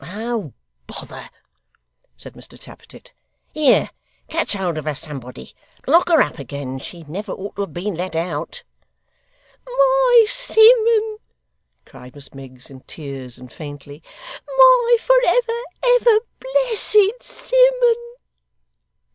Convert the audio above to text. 'Oh bother!' said Mr Tappertit. 'Here. Catch hold of her, somebody. Lock her up again; she never ought to have been let out.' 'My Simmun!' cried Miss Miggs, in tears, and faintly. 'My for ever, ever blessed Simmun!